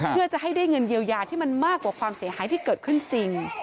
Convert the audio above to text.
เพื่อจะให้ได้เงินเยียวยาที่มันมากกว่าความเสียหายที่เกิดขึ้นจริง